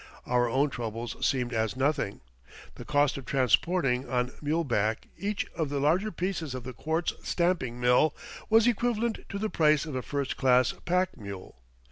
Our own troubles seemed as nothing. The cost of transporting on muleback each of the larger pieces of the quartz stamping mill was equivalent to the price of a first class pack mule.